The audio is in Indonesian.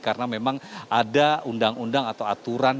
karena memang ada undang undang atau aturan